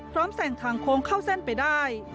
แสงทางโค้งเข้าเส้นไปได้